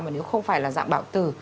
mà nếu không phải là dạng bạo tử